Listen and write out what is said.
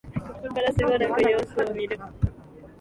ここからしばらく様子を見る